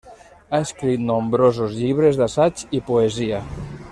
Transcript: Ha escrit nombrosos llibres d'assaig i poesia.